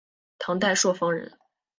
唐代朔方人。